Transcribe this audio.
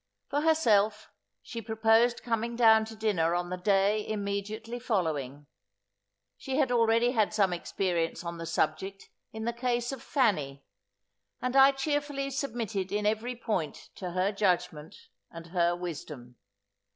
For herself, she proposed coming down to dinner on the day immediately following. She had already had some experience on the subject in the case of Fanny; and I cheerfully submitted in every point to her judgment and her wisdom.